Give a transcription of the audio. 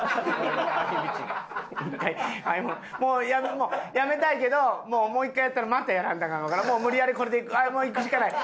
もうやめたいけどもう一回やったらまたやらんとアカンからもう無理やりこれでもういくしかない。